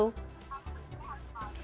selamat malam sehat selalu